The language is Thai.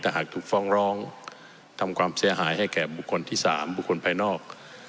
หากถูกฟ้องร้องทำความเสียหายให้แก่บุคคลที่๓บุคคลภายนอก